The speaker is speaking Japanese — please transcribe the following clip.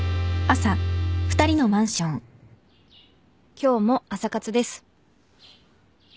「今日も朝活です」